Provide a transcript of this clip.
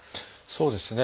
そうですね。